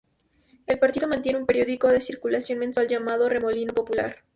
El partido mantiene un periódico de circulación mensual llamado "Remolino Popular".